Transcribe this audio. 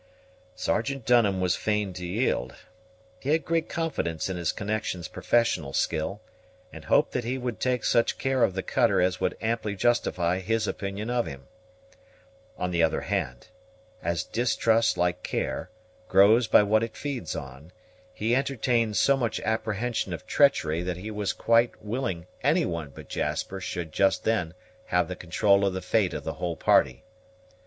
Sergeant Dunham was fain to yield. He had great confidence in his connection's professional skill, and hoped that he would take such care of the cutter as would amply justify his opinion of him. On the other hand, as distrust, like care, grows by what it feeds on, he entertained so much apprehension of treachery, that he was quite willing any one but Jasper should just then have the control of the fate of the whole party.